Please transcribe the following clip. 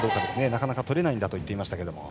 なかなか取れないんだと言っていましたけども。